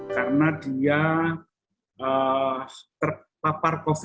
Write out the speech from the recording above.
karena dia terpapar covid sembilan belas